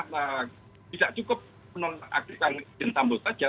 tidak cukup penonaktifkan irjen sambo saja